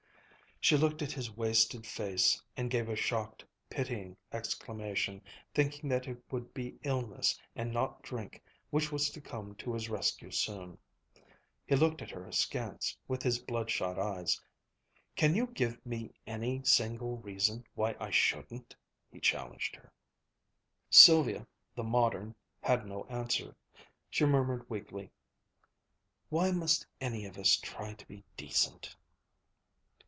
She looked at his wasted face and gave a shocked, pitying exclamation, thinking that it would be illness and not drink which was to come to his rescue soon. He looked at her askance, with his bloodshot eyes. "Can you give me any single reason why I shouldn't?" he challenged her. Sylvia, the modern, had no answer. She murmured weakly, "Why must any of us try to be decent?"